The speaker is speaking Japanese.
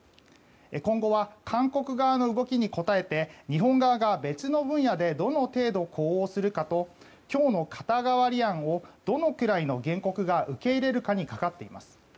今後は韓国側の動きに応えて日本側が別の分野でどの程度呼応するかと今日の肩代わり案をどのくらいの原告が受け入れるかにかかっています。